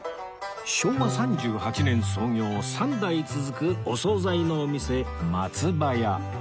昭和３８年創業３代続くお総菜のお店松ばや